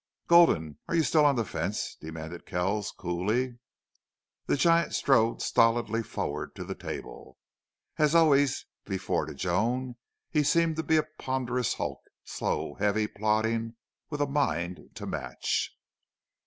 "Gulden, are you still on the fence?" demanded Kells, coolly. The giant strode stolidly forward to the table. As always before to Joan, he seemed to be a ponderous hulk, slow, heavy, plodding, with a mind to match.